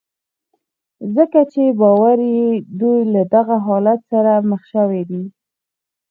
ځکه چې په باور يې دوی له دغه حالت سره مخ شوي دي.